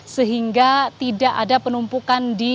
sehingga tidak ada penumpukan di